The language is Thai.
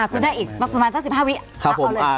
คุณได้อีกประมาณสัก๑๕วิเอาเลย